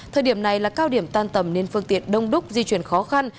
thời điểm này là cao điểm tan tầm nên phương tiện đông đúc di chuyển khó khăn